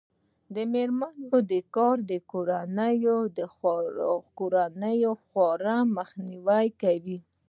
د میرمنو کار د کورنۍ خوارۍ مخنیوی کوي.